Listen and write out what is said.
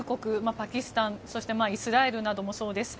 パキスタンイスラエルなどもそうです。